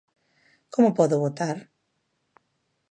Como podo votar?